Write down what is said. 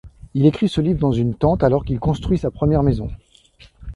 Il écrit ce livre dans une tente, alors qu'il construit sa première maison.